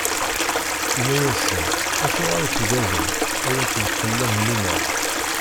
Inna-asen: Acuɣer i tugadem, ay at lqella n liman?